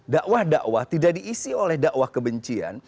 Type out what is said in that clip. da'wah da'wah tidak diisi oleh da'wah kebencian